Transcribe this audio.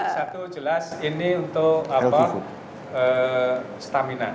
satu jelas ini untuk stamina